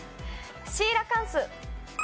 シーラカンス。